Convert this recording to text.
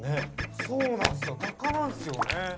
そうなんすよ鷹なんすよね。